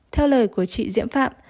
theo lời của chị diễm phạm